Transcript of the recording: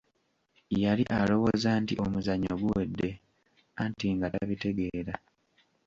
Yali alowooza nti omuzannyo guwedde anti nga tabitegeera.